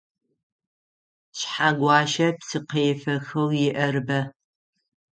Шъхьэгуащэ псыкъефэхэу иӏэр бэ.